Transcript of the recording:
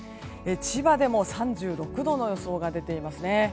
千葉でも３６度の予想が出ていますね。